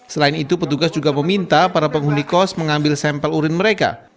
selain itu petugas juga meminta para penghuni kos mengambil sampel urin mereka